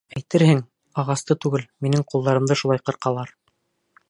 Әйтерһең, ағасты түгел, минең ҡулдарымды шулай ҡырҡалар...